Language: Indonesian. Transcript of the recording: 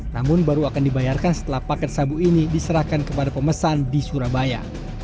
namun baru akan dibayarkan setelah paket sabu ini diserahkan kepada pemesan di surabaya